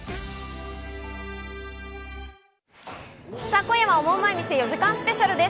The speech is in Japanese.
今夜は『オモウマい店』４時間スペシャルです。